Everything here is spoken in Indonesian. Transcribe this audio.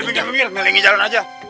biar biar nilai ngejalan aja